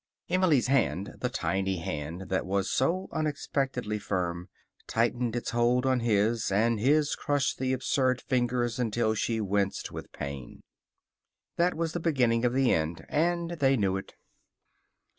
Emily's hand, the tiny hand that was so unexpectedly firm, tightened its hold on his, and his crushed the absurd fingers until she winced with pain. That was the beginning of the end, and they knew it.